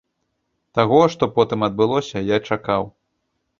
Таго, што потым адбылося, я чакаў.